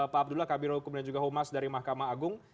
pak abdullah kabinet hukumnya juga homas dari mahkamah agung